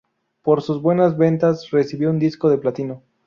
Por sus buenas ventas, recibió un disco de platino.